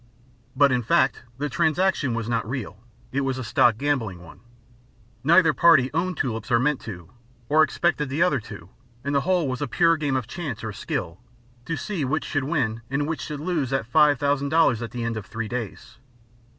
But in fact the transaction was not real, it was a stock gambling one; neither party owned tulips or meant to, or expected the other to; and the whole was a pure game of chance or skill, to see which should win and which should lose that $5,000 at the end of three days.